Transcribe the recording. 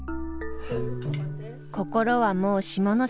心はもう下関。